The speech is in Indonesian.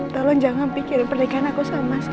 tolong jangan pikirin pernikahan aku sama mas tore